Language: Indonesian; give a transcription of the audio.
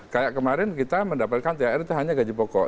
kayak kemarin kita mendapatkan thr itu hanya gaji pokok